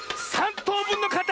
とうぶんのかたっ！